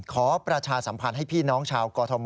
ประชาสัมพันธ์ให้พี่น้องชาวกอทม